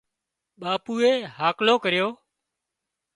ٻاپوئي هاڪلون ڪريون